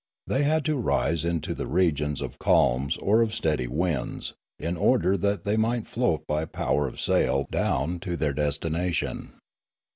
They had to rise into the regions of calms or of steady winds, in order that they might float by power of sail down to their destina tion.